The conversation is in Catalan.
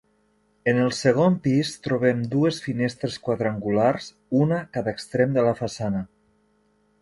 En el segon pis trobem dues finestres quadrangulars, una a cada extrem de la façana.